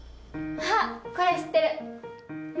あっこれ知ってる。ね！